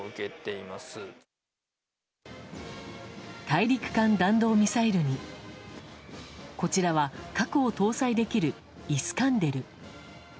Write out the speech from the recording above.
大陸間弾道ミサイルにこちらは核を搭載できるイスカンデル。